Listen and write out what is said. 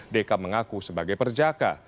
deka mengaku sebagai perjaka